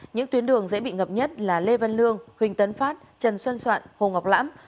những tuyến đường dễ bị ngập nhất là lê văn lương huỳnh tấn phát trần xuân soạn hồ ngọc lãm